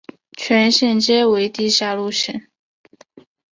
全线皆为地下路线。